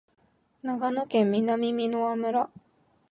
長野県南箕輪村